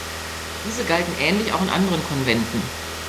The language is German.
Diese galten ähnlich auch in anderen Konventen.